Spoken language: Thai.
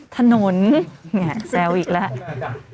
ถนนแซวอีกแล้ว